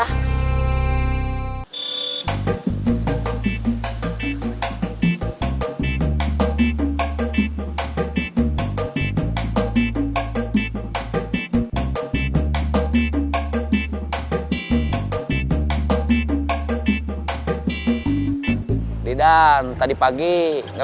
silahkan sudah bisa